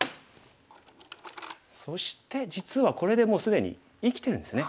そして実はこれでもう既に生きてるんですね。